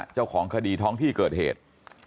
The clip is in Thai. เจ้าของคดีท้องที่เกิดเหตุ